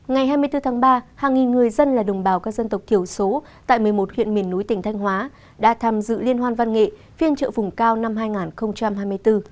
ngày hai mươi bốn tháng ba hàng nghìn người dân là đồng bào các dân tộc thiểu số tại một mươi một huyện miền núi tỉnh thanh hóa đã tham dự liên hoan văn nghệ phiên trợ vùng cao năm hai nghìn hai mươi bốn